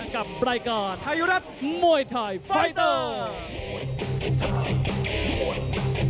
กับรายการไทยรัฐมวยไทยฟาร์ทเติร์ด